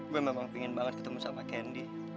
gue memang pengen banget ketemu sama kendi